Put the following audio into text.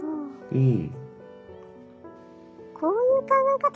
うん。